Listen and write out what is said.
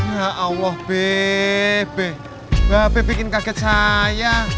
ya allah bebe bap bikin kaget saya